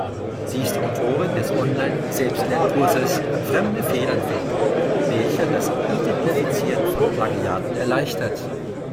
Sie ist Autorin des Online-Selbstlernkurses "Fremde Federn Finden", welcher das Identifizieren von Plagiaten erleichtert.